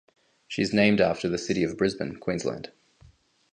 She is named after the city of Brisbane, Queensland.